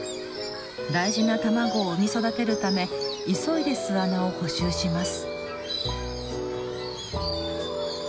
大事な卵を産み育てるため急いで巣穴を補修します。